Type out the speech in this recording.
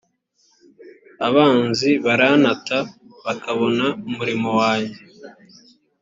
abanzi barantata bakabona umurimo wanjye